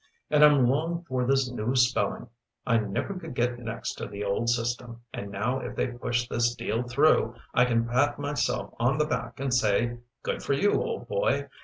"And I'm long for this new spelling. I never could get next to the old system, and now if they push this deal through, I can pat myself on the back and say, 'Good for you, old boy.